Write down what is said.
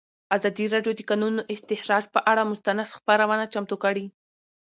ازادي راډیو د د کانونو استخراج پر اړه مستند خپرونه چمتو کړې.